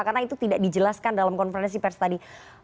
karena itu tidak dijelaskan dalam konferensi pers tadi